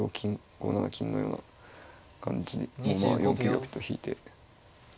５七金のような感じもまあ４九玉と引いて。